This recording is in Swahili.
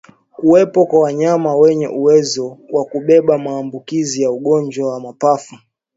Kuwepo kwa wanyama wenye uwezo wa kubeba maambukizi ya ugonjwa wa mapafu